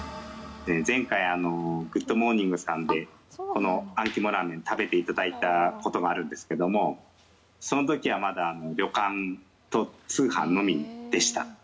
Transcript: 前回「グッド！モーニング」さんでこのあん肝ラーメン食べていただいたことがあるんですけどもその時はまだ旅館と通販のみでした。